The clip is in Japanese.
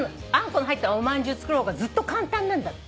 この入ったおまんじゅう作る方がずっと簡単なんだって。